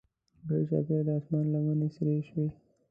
ګرچاپیره د اسمان لمنې سرې شوې.